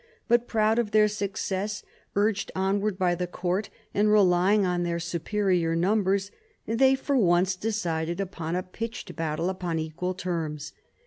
But proud of their success, urged onward by the court) and relying on their superior numbers, they for once decided upon a pitched battle upon equal terms.